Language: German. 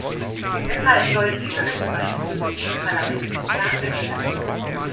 Deshalb sollen diese Rechtsvorschriften in diesem Parlament nicht behandelt werden.